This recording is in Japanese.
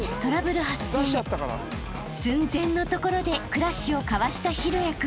［寸前のところでクラッシュをかわした大也君］